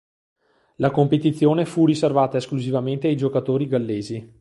La competizione fu riservata esclusivamente ai giocatori gallesi.